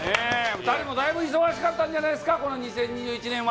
２人もだいぶ忙しかったんじゃないですか、この２０２１年は。